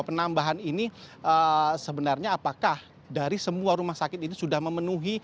penambahan ini sebenarnya apakah dari semua rumah sakit ini sudah memenuhi